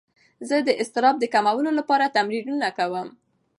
زه د اضطراب د کمولو لپاره تمرینونه کوم.